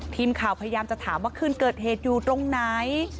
ทีมข่าวพยายามจะถามว่าคืนเกิดเหตุอยู่ตรงไหน